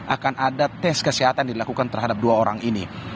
akan ada tes kesehatan dilakukan terhadap dua orang ini